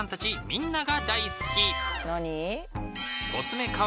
みんなが大好き